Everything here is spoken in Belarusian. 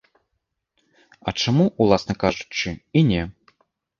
А чаму, уласна кажучы, і не?